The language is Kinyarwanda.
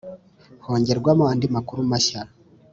hongerwamo andi makuru mashya